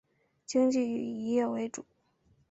经济以渔业为主。